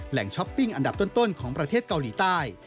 ช้อปปิ้งอันดับต้นของประเทศเกาหลีใต้